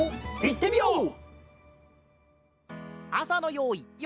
いってみよう！